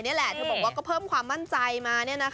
เธอบอกว่าก็เพิ่มความมั่นใจมา